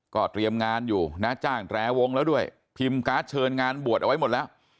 ก็เตรียมงานอยู่นะจ้างแตรวงแล้วด้วยพิมพ์การ์ดเชิญงานบวชเอาไว้หมดแล้ว